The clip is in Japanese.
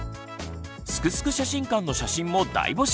「すくすく写真館」の写真も大募集！